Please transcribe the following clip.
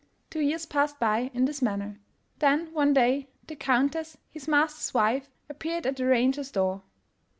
Two years passed by in this manner. Then, one day, the Countess, his master's wife, appeared at the ranger's door.